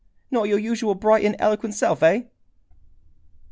Not your usual bright and eloquent self, eh?"